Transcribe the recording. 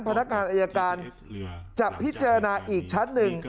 พนักงานอายการจะพิจารณาอีกชั้นหนึ่ง